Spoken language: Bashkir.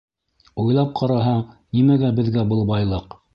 Уйлап ҡараһаң, нимәгә беҙгә был байлыҡ?